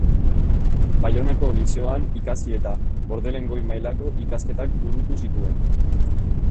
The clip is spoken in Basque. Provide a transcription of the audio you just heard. Baionako Lizeoan ikasi eta Bordelen goi-mailako ikasketak burutu zituen.